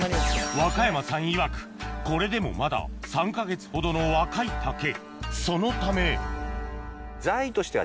若山さんいわくこれでもまだ３か月ほどの若い竹そのためへぇ。